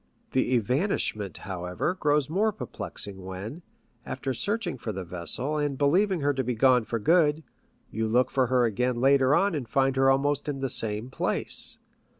The evanishment, however, grows more perplexing when, after searching for the vessel, and believing her to be gone for good, you look for her again later on and find her almost in the same place.